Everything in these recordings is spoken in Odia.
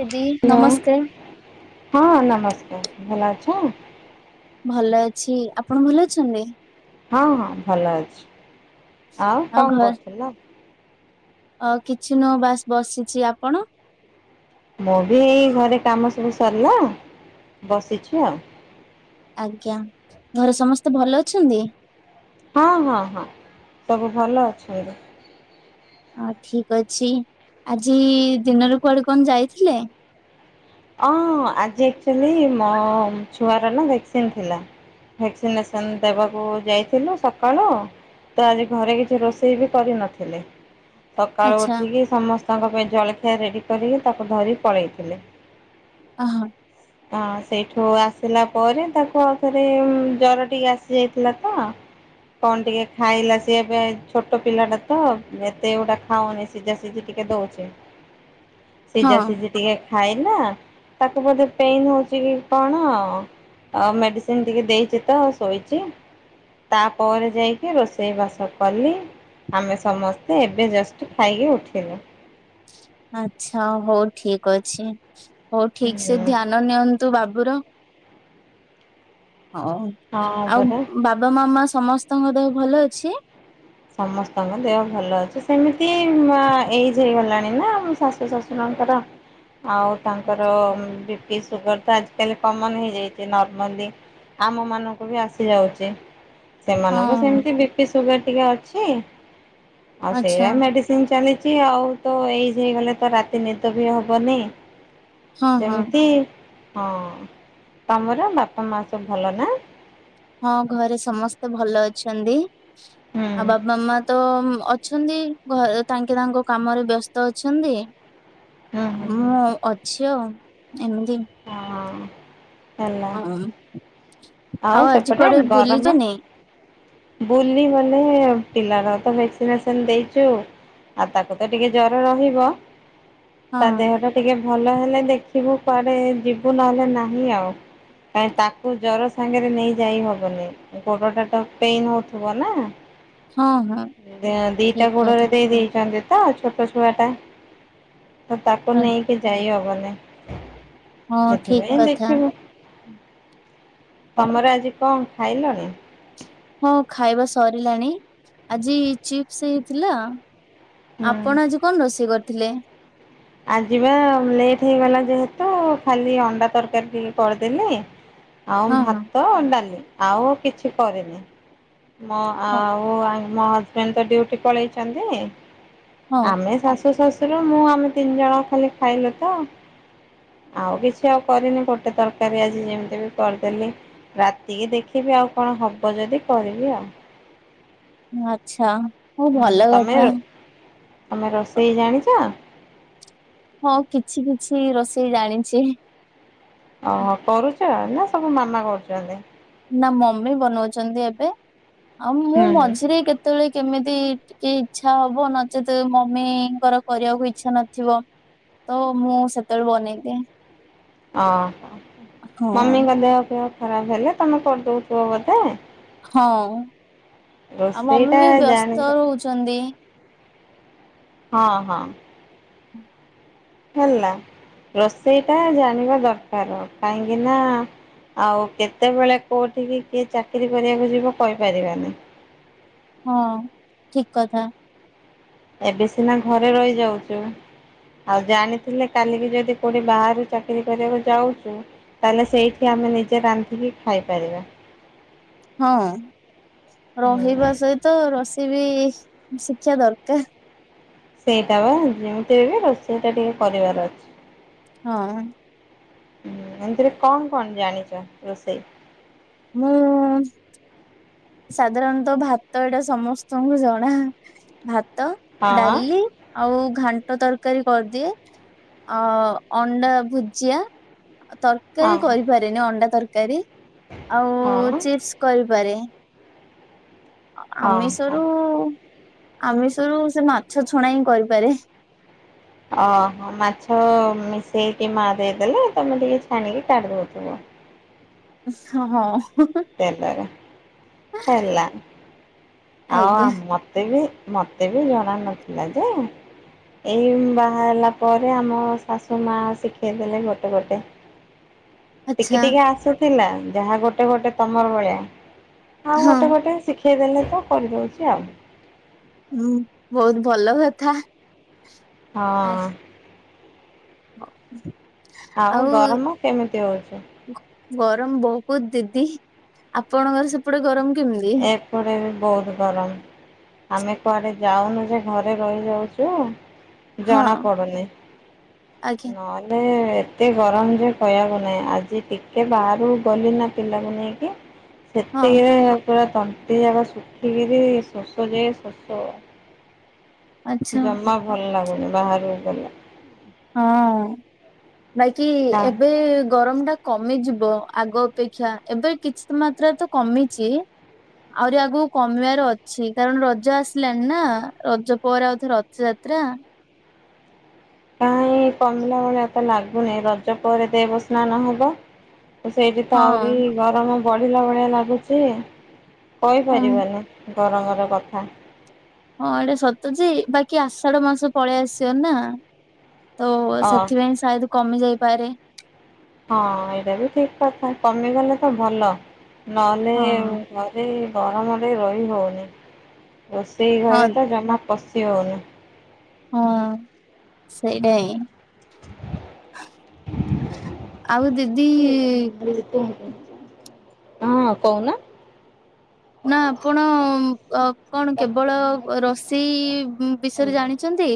ଦିଦି ହ୍ୟାଲୋ ନମସ୍କାର ହଁ ନମସ୍କାର । ଭଲ ଅଛ । ଭଲ ଅଛି ଆପଣ ଭଲ ଅଛନ୍ତି । ହଁ ହଁ ଭଲ ଅଛି । ଆଉ କଣ କରୁଥିଲ । ଅ କିଛି ନୁହ ବାସ୍ ବସିଛି ଆପଣ । ମୁଁ ବି ଏଇ ଘରେ କାମ ସବୁ ସରିଲା ବସିଛିୁ ଆଉ । ଆଜ୍ଞା ଘରେ ସମସ୍ତେ ଭଲ ଅଛନ୍ତି । ହଁ ହଁ ହଁ ସବୁ ଭଲ ଅଛନ୍ତି । ଅ ଠିକ ଅଛି ଆଜି ଦିନରୁ କୁଆଡେ କଣ ଯାଇଥିଲେ । ହଁ ଆଜି ଆକ୍ଚୁଆଲି ମୋ ଛୁଆର ନା ଭ୍ୟାକ୍ସିନ୍ ଥିଲା ଭ୍ୟାକ୍ସିନେସନ୍ ଦେବାକୁ ଯାଇଥିଲୁ ସକାଳୁ ତ ଆଜି ଘରେ କିଛି ରୋଷେଇ ବି କରିନଥିଲି । ସକାଳୁ ଆଚ୍ଛା ଉଠିକି ସମସ୍ତଙ୍କ ପାଇଁ ଜଳଖିଆ ରେଡି । କରିକି ତାକୁ ଧରି ପଳେଇଥିଲେ । ଅ ହ । ହଁ ସେଇଠୁ ଆସିଲା ପରେ ତାକୁ ଆଉ ଥରେ ଜର ଟିକେ ଆସିଯାଇଥିଲା ତ କଣ ଟିକେ ଖାଇଲା ସିଏ ଏବେ ଛୋଟ ପିଲାଟା ତ ଏତେ ଗୋଟା ଖାଉନି ସିଝା ସିଝି ଟିକେ ଦଉଚି । ହଁ ସିଝା ସିଝା ଟିକେ । ଖାଇଲା । ତାକୁ ବୋଧେ ପେନ୍ ହଉଛି କି କଣ ମେଡ଼ିସିନ ଟିକେ ଦେଇଛି ତ ଶୋଇଛି ତାପରେ ଯାଇକି ରୋଷେଇ ବାସ କଲି ଆମେ ସମସ୍ତେ ଏବେ ଜଷ୍ଟ ଖାଇକି ଉଠିଲୁ । ଆଛା ହଉ ଠିକ ଅଛି । ହଉ ଠିକ ସେ ଧ୍ୟାନ ନିଅନ ନ୍ତୁ ବାବୁ ର । ହଉ ହଁ ପରା ଆଉ ବାବା ମାମା ସମସ୍ତଙ୍କ ଦେହ । ଭଲ ଅଛି? ସମସ୍ତଙ୍କ ଦେହ ଭଲ ଅଛି ସେମିତି ମା ଏଜ ହେଇଗଲାଣି ନା ଶାଶୁ ଶଶୁରଙ୍କର । ଆଉ ତାଙ୍କର ବି ପି ସୁଗର ତ ଆଜିକାଲି କମନ ହେଇଯାଇଛି ନର୍ମାଲି ଆମ ମାନଙ୍କୁ ବି ଆସିଯାଉଛି । ହଁ ସେମାନଙ୍କୁ ସେମିତି ବିିପି ସୁଗ ସୁଗାର ଟିକେ ଅ ଛି । ଆଉ ଆଚ୍ଛା ସେଇରା ମେଡିସିନ ଚାଲି । କିଛି ଆଉ ତ ଏଉଁ ହେଇଗଲେ ତ ରାତି ନିଦ ବି ହବନି ହଁ । ହଁ ସେମିତି ହଁ ତମର ବାପା ମା ସବୁ ଭଲ ନା ହଁ ଘରେ ସମସ୍ତେ ଭଲ ଅଛନ୍ତି ହୁଁ ଆଉ ବାପ ମମା ତ ଅଛନ୍ତି ଘ ତାଙ୍କେ ତାଙ୍କ କାମରେ ବ୍ୟସ୍ତ ଅଛନ୍ତି ହୁଁ ହୁଁ ହୁଁ ମୁଁ ଅଛି ଆଉ ଁ ଏନ୍ତି ହଁ ହେଲା ହଁ ଆଉ ଆଜି ସେପଟେ କୁଆଡେ ଗରମ ବୁଲିଛନ ବୁଲି ମାନେ ପିଲାର ତ ଭ୍ୟାକ୍ସିନେସନ ଦେଇଛୁ ଆଉ ତାକୁ ତ ଟିକେ ଜର ରହିବ ହଁ ତା ଦେହ ଟା ଟିକେ ଭଲ ହେଲେ ଦେଖିବୁ କୁଆଡେ ଯିବୁ ନହେଲେ ନାହିଁ ଆଉ କାଁ ତାକୁ ଜର ସାଙ୍ଗରେ ନେଇ ଯାଇ ହବନି ଗୋଡ ଟା ତ ପେନ ହଉଥିବ ନା ହଁ ହଁ ଦିଟା ଠିକ କଥା ଗୋଡରେ ଦେଇ ଦେଇେଇଛନ୍ତି ତ ଛୋଟ ଛୁଆ ଟା ତ ତାକୁ ହଁ ନେଇକି ଯାଇ ହବ ହ ହଁ ଠିକ କଥା ହଉ। ତମର ଆଜି କଣ ଖାଇଲଣି ହଁ ଖାଇବା ସରିଲାଣି ଆଜି ଚିପ୍ସ ହେଇଥିଲା ହୁଁ ଆପଣ ଆଜି କଣ ରୋଷେଇ କର ଥିଲେ ଆ ଯିବା ଲେଟ୍ ହେଇଗଲା ଯେହେତୁ ଖାଲି ଅଣ୍ଡା ତରକାରୀ ଟିକେ କରିଦେଲି ଆଉ ହଁ ହଁ ଭାତ ଅଣ୍ଡାଲି ଆଉ କିଛି କରିନି ମ ଆ ହଁ ଆ ମୋ ହଜବେଣ୍ଡ ତ ଡୁଟି ପଳେଇଛନ୍ତି ହଁ ଆମେ ଶାଶୁ ଶାଶୁ ମୁଁ ଆମେ ତିନି ଜଣ ଖାଲି ଖାଇଲୁ ତ ଆଉ କିଛି ଆଉ କରିନି ଗୋଟେ ତରକାରୀ ଆଜି ଯେମିତି ବି କରିଦେଲି ରାତିକି ଦେଖିବି ଆଉ କଣ ହବ ଯଦି କରିବି ଆଉ ଆଚ୍ଛା ହଁ ହୁଁ ଭଲ ତମେ କଥା ତମେ ରୋଷେଇ ଜାଣିଛ ହଁ କିଛି କିଛି ରୋଷେଇ ଜାଣିଛି। ଓହୋ କରୁଛି ଛ ନା ସବୁ ମାମା କରୁଛନ୍ତି। ନା ମମି ବନଉଛନ୍ତି ଏବେ। ଆଉ ମୁଁ ହୁଁ ହୁଁ ମଝିରେ କେତେବେଳେ କେମିତି ଟିକେ ଇଚ୍ଛା ହବ ନଚେତ ମମିଙ୍କର କରିବାକୁ ଇଚ୍ଛା ନଥିବ। ତ ମୁଁ ସେତେବେଳେ ବନେଇଦିଏ। ଓ। ହଁ। ମାମିଙ୍କ ଦେହ ଫେୟ ଖରାପ ହେଲେ ତମେ କରିଦଉଥିବ ବୋଧେ। ହଁ। ଆଉ ମମି ରୋଷେଇଟା ବି ବ୍ୟସ୍ତ ଜାଣିବା ରହୁଛନ୍ତି। ହଁ ହଁ। ହେଲା ରୋଷେଇଟା ଜାଣିବା ଦରକାର କାହିଁକି ନା ଆଉ କେତେବେଳେ କୋଉଠିକି କିଏ ଚାକିରୀ କରିବାକୁ ଯିବ କହିପାରିବାନି। ହଁ ଠିକ କଥା। ଏବେ ସିନା ଘରେ ରହିଯାଉଛୁ। ଆଉ ଜାଣିଥିଲେ କାଲିକି ଯଦି କଉଠି ବାହାରୁ ଚାକିରୀ କରିବାକୁ ଯାଉଛୁ। ତାହେଲେ ସେଇଠି ଆମେ ନିଜେ ରାନ୍ଧିକି ଖାଇପାରିବା। ହଁ ରହିବା ହୁଁ ସହିତ ର ବି ଶିକ୍ଷା ଦରକାର। ସେଇଟା ବା ଯେମିତି ବି ରୋ ସେଇଟା ଟିକେ କରିବାର ଅଛି। ହଁ। ହୁଁ ଏମିତିରେ କଣ କଣ ଜାଣିଛ ରୋଷେଇ ହୁଁ। ସାଧାରଣତଃ ଭାତ ଏଇଟା ସମସ୍ତଙ୍କୁ ଜଣା ଭା ଭାତ ହଁ ଡାଲି ଆଉ ଘାଣ୍ଟ ତରକାରୀ କରିଦିଏ। ଆ ଅଣ୍ଡା ଭୁଜିଆ ହଁ ତରକାରୀ କରିପାରେନି ଅଣ୍ଡା ତର କାରି। ଆଉ ହଁ ଚିପ୍ସ କରିପାରେ। [inaudible] ହଁ ହଁ ଆମିଶରୁ ଆମିଷରୁ ସେ ମାଛ ଛଣା ହିଁ କରିପାରେ। ଓହୋ ମାଛ ମିଶେଇକି, ମା ଦେଇଦେଲେ ତମେ ଟିକେ ଛାଣିକି କଢି ଦଉଥିବ । ହଁ । ତେଲରେ ହେଲା। ହଁ ଆଜ୍ଞା ମତେ ମତେ ବି ଜଣା ନଥିଲା ଯେ, ଏଇ ବାହା ହେଲା ପରେ ଆମ ଶାଶୁ ମା ଶିଖେଇ ଦେଲେ ଗୋଟେ ଗୋଟେ। ଟିକେ ଆଚ୍ଛା ଟିକେ ଆସୁଥିଲା। ଯାହା ଗୋଟେ ଗୋଟେ ତମର ଭଳିଆ। ହଁ ଗୋଟେ ଗୋଟେ ଶିଖ ଖିଦେଲେ ତ। କରିଦେଉଛି ଆଉ । ହୁଁ ବହୁତ ଭଲ କଥା । ହଁ। ହଁ [unintelligible] ଆଉ ଗରମ କେମିତି ହଉଛି? ଗରମ ବହୁତ ଦିଦି ଆପଣଙ୍କର ସେପଟେ ଗରମ କେମିତି? ଏପଟେ ବି ବହୁତ ଗରମ ଆମେ କୁଆଡ଼େ ଯାଉନୁ ଯେ ଘରେ ରହିଯାଉଛୁ। ହଁ ଜଣା ପଡୁନି ଆଜ୍ଞା ନଏଲେ ଏତେ ଗରମ ଯେ କହିଆକୁ ନାହିଁ ଆଜି ଟିକେ ବାହାରୁ ଗଲି ନା ପିଲାକୁ ନେଇକି ହଁ ସେତିକ ହିଁ। ପୁରା ତଣ୍ଟି ଯାକ ଶୁଖିକିରି ଶୋଷ ଯେ ଶୋଷ। ଆଚ୍ଛା ଜମା ଭଲ ଲାଗୁ ବାହାରକୁ ଗଲେ। ହଁ । ନାଇଁ କି ନା ଏବେ ଗରମ ଟା କମି ଯିବ। ହଁ ଆଗ ଅପେକ୍ଷା ଏବେ କିଛି ମାତ୍ରା ତ କମିଛି ଆହୁରି ଆଗକୁ କମିବାର ଅଛି କାରଣ ରଜ ଆସିଲାଣିି ନା ରଜ ପରେ ଆଉ ଥରେ ରଥଯାତ୍ରା। କାହିଁ କମିଲା ଭଳିଆ ଲାଗୁନି ରଜ ପରେ ଦେବ ସ୍ନାନ ହବ। ସେଇଠୁ ତ ହଁ ଆହୁରି ଗରମ। ବଢିଲା ଭଳିଆ ଲାଗୁଛି। ହଁ କହିପାରିବନି। ଗରମର କଥା। ହଁ ଏଇଟା ସତ ଯେ ବାକି ଆଷାଢ ମାସ ପଳେଇ ଆସିବ ନା। ତ ଅ ସେଥିପାଇଁ ସାୟଦ କମି ଯାଇପାରେ? ହଁ ଏଇଟା ବି ଠିକ କଥା କମିଗଲେ ତ ଭଲ। ନହେଲେ ହଁ ଘରେ? ଗରମରେ ରହି ହଉନି। ରୋଷେଇ ହଁ ଘରେ ତ ଜମା ପଶି ତି ହଉନି। ହଁ ସେଇଟା ହିଁ। ଆଉ ଦିଦି ହଁ କହୁନ। ନା ଆପଣ କଣ କେବଳ ରୋଷେଇ ବିଷୟରେ ଜାଣିଛନ୍ତି।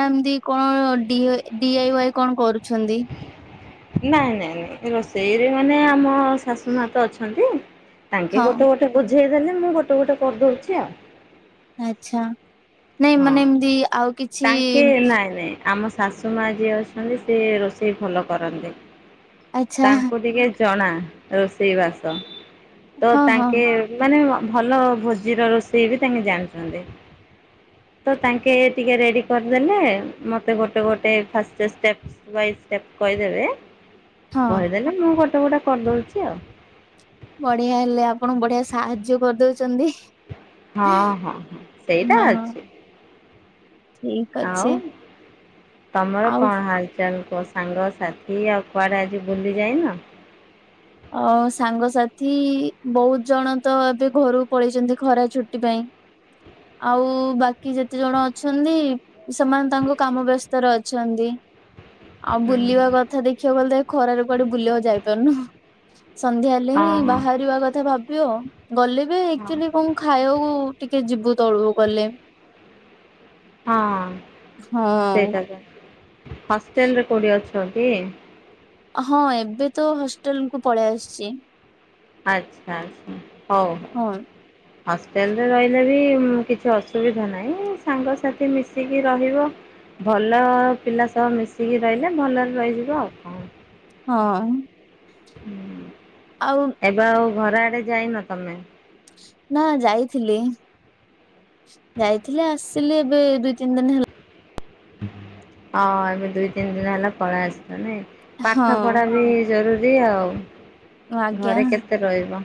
ନା ଏମତିି କଣ ଡିଆଇ ୱାଇ କଣ କରୁଛନ୍ତି? ନାଇଁ ନାଇଁ ନାଇଁ ରୋଷେଇରେ ମାନେ ଆମ ଶାଶୁ ମା ତ ଅଛନ୍ତି। ତାଙ୍କେ ହଁ ଗୋଟେ ଗୋଟେ ବଝେଇ ସେ ତାହେଲେ ମୁଁ ଗୋଟେ ଗୋଟେ କରିଦେଉଛି ଆଉ। ଆଚ୍ଛା। ନାଇଁ ହଁ। ମାନେ ଏମତି ଆଉ କିଛି ତାଙ୍କେ ନାଇଁ ନାଇଁ। ଆମ ଶାଶୁ ମା ଯିଏ ଅଛନ୍ତି ସେ ରୋଷେଇ ଭଲ କରନ୍ତି। ଆଚ୍ଛା ତାଙ୍କୁ ଟିକେ ଜଣା ରୋଷେଇବାସ। ତ ହଁ ହଁ ତାଙ୍କେ ମାନେ ଭଲ ଭୋଜିର ରୋଷେଇ ବି ତାଙ୍କେ ଜାଣିଛନ୍ତି ତ ତାଙ୍କେ ଟିକେ ରେଡ଼ି କରିଦେଲେ ମୋତେ ଗୋଟେ ଗୋଟେ ଫାଷ୍ଟ ଷ୍ଟେପ୍ ବାଇ ଷ୍ଟେପ୍ କହିଦେବେ ହଁ କହି ଦେଲେ ମୁଁ ଗୋଟେ ଗୋଟେ କରିଦେଉଛି ଆଉ। ବଢିଆ ହେଲେ ଆପଣ ବଢିଆ ସାହାଯ୍ୟ କରିଦଉଛନ୍ତି। ହଁ ହଁ ହଁ ସେଇଟା ହଁ ହଁ ଅଛି। ଠିକ ଅଛି। ଆଉ ତମର ଆଉ କଣ ହାଲଚାଲ? ତୋ ସାଙ୍ଗ ସାଥି ଆଉ କୁଆଡ଼େ ଆଜି ବୁଲିଯାଇନ? ଆ ସାଙ୍ଗସାଥି ବହୁତ ଜଣ ତ ଏବେ ଘରୁକୁ ପଳେଇଛନ୍ତି ଖରା ଛୁଟି ପାଇଁ ଆଉ ବାକି ଯେତେ ଜଣ ଅଛନ୍ତି ସେମାନେ ତାଙ୍କ କାମ ବ୍ୟସ୍ତରେ ଅଛନ୍ତି, ଆଉ ହୁଁ ବୁଲିବା କଥା ଦେଖିବାକୁ ଗଲେ ଖରାରେ କୁଆଡେ ବୁଲିବାକୁ ଯାଇପାରୁନୁ ସନ୍ଧ୍ୟା ହେଲେ ହିଁ ହଁ ବାହାରିବା କଥା ଭାବ କିଓ ଗଲେ ବି ହଁ ଆକଚୁଆଲି କଣ ଖାଇବାକୁ ଟିକେ ଯିବୁ ତଳକୁ ଗଲେ, ହଁ ହଁ ସେଇଟା ତ ହଷ୍ଟେଲରେ କୋଉଟି ଅଛି, କକି ହଁ ଏବେ ତ ହଷ୍ଟେଲ କୁ ପଳେଇ ଆସିଛି, ଆଚ୍ଛା ଆଛା ହଉ ହଉ ହଁ ହଷ୍ଟେଲରେ ରହିଲେ ବି କିଛି ଅସୁବିଧା ନାହିଁ ସାଙ୍ଗସାଥି ମିଶିକି ରହିବ ଭଲ ପିଲା ସହ ମିଶିକି ରହିଲେ ଭଲରେ ରହିଯିବ ଆଉ କଣ, ହଁ ହୁଁ, ଆଉ ଏବେ ଆଉ ଘର ଆଡେ ଯାଇ ନ ତମେ? ନା ଯାଇଥିଲି [inaudible] ଯାଇଥିଲି ଆସିଲି ଏବେ ଦୁଇ ତିନି ଦିନ ହେଲା। ହଁ ଏବେ ଦୁଇ ତିନି ଦିନ ହେଲା ପଳାଇ ଆସ ଲି ପାଠ ପଢା ହଁ। ବି ଜରୁରୀ। ଆଉ। ଆଜ୍ଞା ଘରେ କେତେ ରହିବ।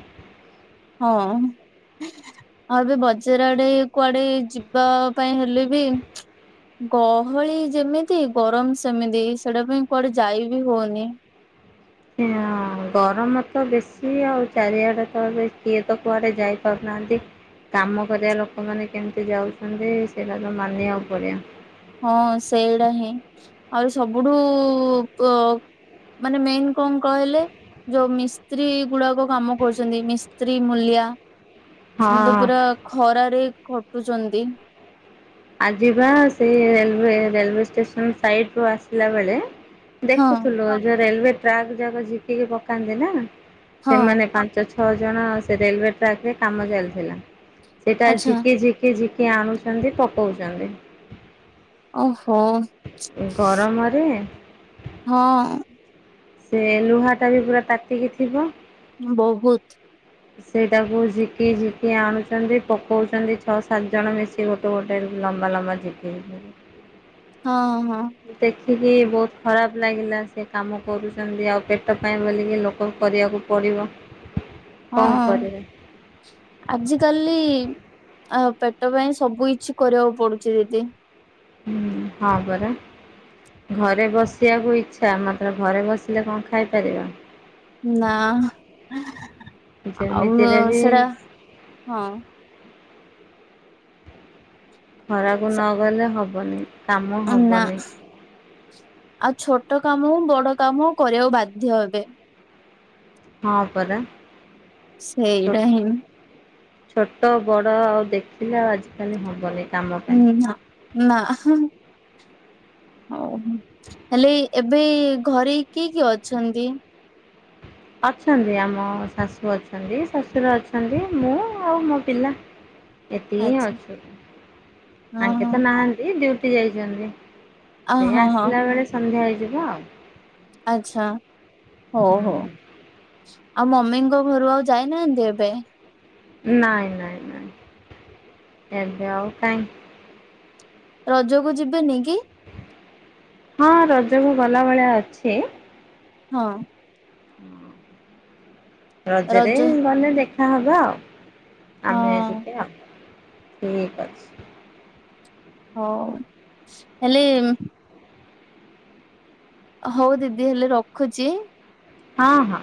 ହଁ [inaudible] ଆଉ ଏବେ ବଜାର ଆଡେ କୁଆଡେ ଯିବା ପାଇଁ ହେଲେ ବି ଗହଳି ଯେମିତି ଗରମ ସେମିତି ସେଇଟା ପାଇଁ କୁଆଡେ ଯାଇ ବିି ହଉନି। ଗରମ ତ ବେଶୀ ଆଉ ଚାରିଆଡେ ତ କିଏ ତ କୁଆଡେ ଯାଇପାରୁନାହାନ୍ତି। କାମ କରିବା ଲୋକମାନେ କେମିତି ଯାଉଛନ୍ତି ସେଇଟା ତ ମାନିବାକୁ ପଡିବ। ହଁ ସେଇଟା ହିଁ ଆହୁରି ସବୁଠୁ ମାନେ ମେନ୍ କଣ କହିଲେ ଯୋଉ ମିସ୍ତ୍ରୀ ଗୁଡାକ କାମ କରୁଛନ୍ତି। ମିସ୍ତ୍ରୀ, ମୂଲିଆ ସେ ତ ହଁ ପୁରା ଖରାରେ ଖଟୁଛନ୍ତି। ଆଜିବା ସେଇରେ ରେଲୱ ଷ୍ଟେସନ ସାଇଡରୁ ଆସିଲା ବେଳେ ହଁ ଦେଖୁଥିଲୁ ଆ ଯେଉ ରେଲୱେ ଟ୍ରାକ୍ ଯାକ ଝିକିକି ପକାନ୍ତି ନା। ହଁ ସେମାନେ ପାଞ୍ଚ ଛ ଛଅ ଜଣ ସେ ରେଲୱେ ଟ୍ରାକରେ କାମ ଚାଲିଥିଲା। ସେଇଟା ଆଚ୍ଛା ଝିକି ଝିକି ଝିକି କିଏ ଆଣୁଛନ୍ତି ପ ହଉଛନ୍ତି। ଓହୋ ଗରମରେ ହଁ। ସେ ଲୁହା ଟା ବି ପୁରା ତାତିକି ଥିବ। ବହୁତ ସେଇଟାକୁ ଝିକି ଝିକି ଆଣୁଛନ୍ତି ପକଉଛନ୍ତି। ଛଅ ସାତ ଜଣ ମିଶି ଗୋଟେ ଗୋଟେ ଲମ୍ବା ଲମ୍ବା ଝିକି ଝି ହଁ ହଁ। ସେତିକି ବହୁତ ଖରାପ ଲାଗିଲା ସେ କାମ କରୁଛନ୍ତି ଆଉ ପେଟ ପାଇଁ ବୋଲିକି ଲୋକ କରିବାକୁ ପଡ଼ିବ। କଣ ହଁ କରିବେ [inaudible] ଆଜିିକାଲି ଆ ପେଟ ପାଇଁ ସବୁ କିଛି କରିବାକୁ ପଡୁଛି ଦିଦି। ହୁଁ ହଁ ପରା ଘରେ ବସିବାକୁ ଇଛା ମାତ୍ର ଘରେ ବସିଲେ କଣ ଖାଇପାରିବା। ନା [inaudible] ଆଉ ଯେମିତିରେ ବି ସେଟା ହଁ। ଖରାକୁ ନ ଗଲେ ହବନି। କାମ ନା ହବନି। ଆଉ ଛୋଟ କାମ ହୋଉ ବଡ କାମ ହୋଉଛି କରିବାକୁ ବାଧ୍ୟ ହେବେ। ହଁ ପରା। ଛୋ ସେଇରା ହି ଛୋଟ ବଡ ଆଉ ଦେଖିଲେ ଆଉ ଆଜିକାଲି ହବନି। ସମ୍ଭ ପାଇଁ ହୁଁ ନା ନା ହୋ ହେଲେ ଏବେ ଘରେ କିଏ କିଏ ଅଛନ୍ତି। ଅଛନ୍ତି ଆମ ଶାଶୁ ଅଛନ୍ତି। ଶଶୁର ଅଛନ୍ତି ମୁଁ ଆଉ ମୋ ପିଲା ଏତିକିଁ ଆଚ୍ଛା ଅଛ। ହଁ ଆଙ୍କେ ହଁ ତ ନାହାନ୍ତି ଡ଼ି ଉଟି ଯାଇଛନ୍ତି। ଅ ସେ ହଁ ହଁ ଆସିଲା ବେଳେ ସନ୍ଧ୍ୟା ହେଇ ବ ଯିବା। ଆଚ୍ଛା। ହ ହୋ। ହୁଁ ଆଉ ମମିଙ୍କ ଘରୁ ଆଉ ଯାଇନାହାନ୍ତି ଏବେ ନାଇଁ ନାଇଁ ନାଇଁ ଏବେ ଆଉ କାଇହିଁ। ରଜକୁ ଯିବେନି କି? ହଁ ରଜକୁ ଗଲା ଭଳିଆ ଅଛି। ହଁ। ହଁ। ରଜରେ ରଜ ମାନେ ଦେଖ ଆ ହବା ଆଉ ହଁ ଆମେ ଏ ଟିକେ ଆଉ ଠିକ ଅଛି। ହଉ ହେଲି। ହଉ ଦିଦି ହେଲେ ରଖୁଛି। ହଁ ହଁ।